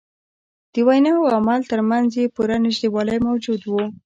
د وینا او عمل تر منځ یې پوره نژدېوالی موجود وي.